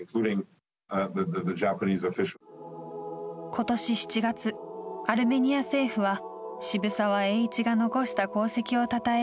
今年７月アルメニア政府は渋沢栄一が残した功績をたたえ